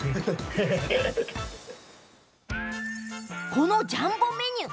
このジャンボメニュー